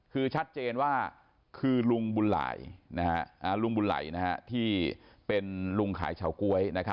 คือชัดเจนว่าคือลุงบุ่นไหล่ที่เป็นลุงขายเฉาก๊วย